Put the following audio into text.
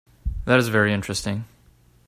That is very interesting.